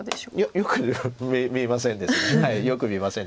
よく見えませんです。